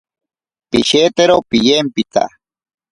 Pishetero piyempita.